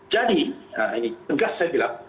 jadi nah ini tegas saya bilang